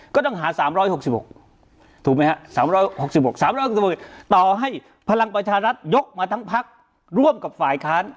ก็ต้องหา๓๖๖ต่อให้พลังประชารัฐยกมาทั้งพักร่วมกับฝ่ายค้าน